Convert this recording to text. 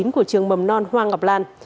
của trường mầm non hoa ngọc lan